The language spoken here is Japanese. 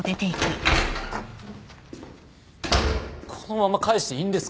このまま帰していいんですか？